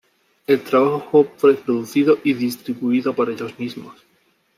El trabajo fue producido y distribuido por ellos mismos.